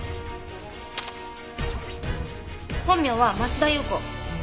本名は増田裕子。